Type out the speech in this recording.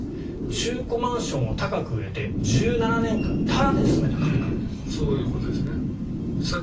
中古マンションを高く売れて１７年タダで住めた感覚です。